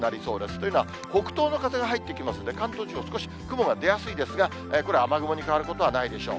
というのは、北東の風が入ってきますんで、関東地方少し雲が出やすいですが、これ、雨雲に変わることはないでしょう。